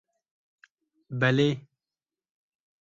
Belê.